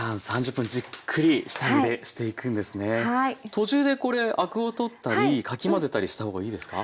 途中でこれアクを取ったりかき混ぜたりした方がいいですか？